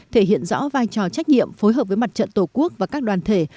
thể hiện rõ vai trò trách nhiệm phối hợp với mặt trận tổ quốc và các đoàn thể